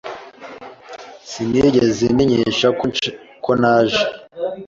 Sinigeze menyesha ko naje.